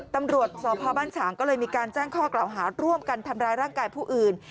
ตำรวจสพบ้านฉางก็เลยมีการแจ้งข้อกล่าวหาร่วมกันทำร้ายร่างกายผู้อื่น